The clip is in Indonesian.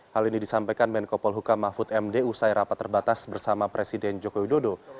hal ini disampaikan menko polhuka mahfud md usai rapat terbatas bersama presiden joko widodo